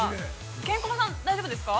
ケンコバさん、大丈夫ですか？